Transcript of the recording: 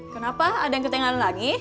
kenapa ada yang ketengahan lagi